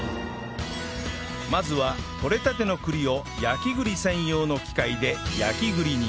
まずは取れたての栗を焼き栗専用の機械で焼き栗に